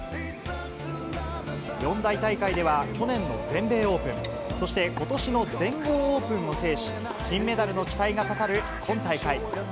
四大大会では去年の全米オープン、そしてことしの全豪オープンを制し、金メダルの期待がかかる今大会。